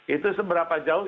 itu seberapa jauh